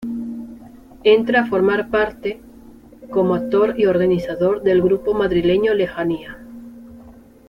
Entra a formar parte —como actor y organizador— del grupo madrileño Lejanía.